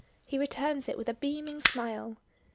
He returns it with a beaming smile.